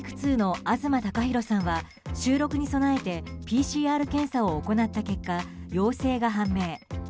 Ｔａｋｅ２の東貴博さんは収録に備えてＰＣＲ検査を行った結果陽性が判明。